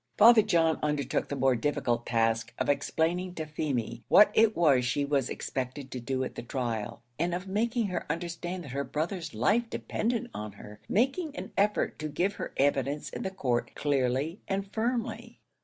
Father John undertook the more difficult task of explaining to Feemy what it was she was expected to do at the trial, and of making her understand that her brother's life depended on her making an effort to give her evidence in the court clearly and firmly.